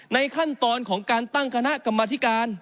ขั้นตอนของการตั้งคณะกรรมธิการ